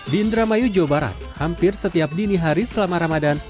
di indramayu jawa barat hampir setiap dini hari selama ramadan